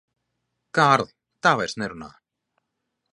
Kārli, tā vairs nerunā.